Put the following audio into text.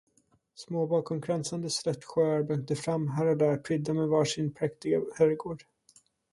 Små bakomkransade slättsjöar blänkte fram här och där prydda med var sin präktiga herrgård.